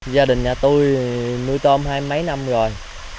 gia đình nhà tôi nuôi tôm hai mấy năm rồi